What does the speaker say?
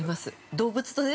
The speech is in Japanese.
動物とね？